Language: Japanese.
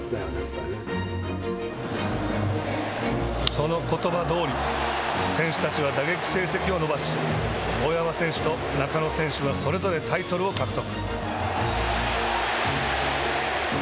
そのことばどおり選手たちは打撃成績を伸ばし大山選手と中野選手はそれぞれタイトルを獲得。